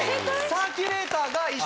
サーキュレーター！